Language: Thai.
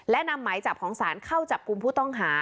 และนำหมายจับของศาลเข้าจับกลุ่มผู้ต้องหา